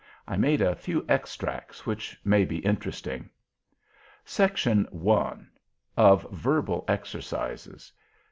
I made a few extracts which may be interesting: SECT. I. OF VERBAL EXERCISES.